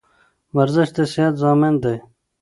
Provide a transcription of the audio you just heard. ورزش د صحت ضامن دی